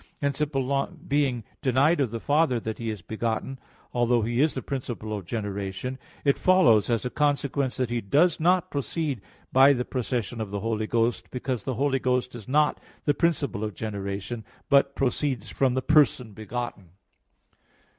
Hence, it being denied of the Father that He is begotten, although He is the principle of generation, it follows, as a consequence, that He does not proceed by the procession of the Holy Ghost, because the Holy Ghost is not the principle of generation, but proceeds from the person begotten.